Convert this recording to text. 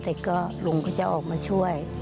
ป้าก็ทำของคุณป้าได้ยังไงสู้ชีวิตขนาดไหนติดตามกัน